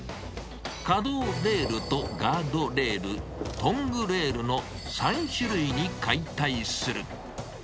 可動レールとガードレール、トングレールの３種類の解体する。